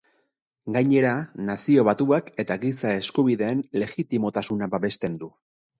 Gainera, Nazio Batuak eta Giza Eskubideen legitimotasuna babesten du.